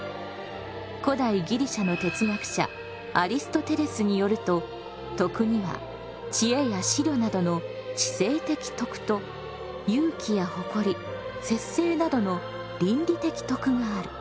古代ギリシャの哲学者アリストテレスによると徳には知恵や思慮などの「知性的徳」と勇気や誇り節制などの「倫理的徳」がある。